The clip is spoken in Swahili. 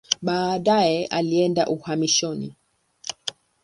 Baadaye alienda uhamishoni.